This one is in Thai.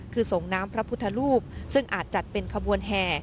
คือส่งน้ำพระพุทธรูปซึ่งอาจจัดเป็นขบวนแห่